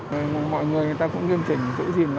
mọi người người ta cũng nghiêm trình giữ gìn đó